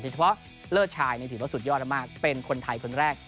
แต่พอเลิศชายเนี่ยถือว่าสุดยอดกันมากเป็นคนไทยคนแรก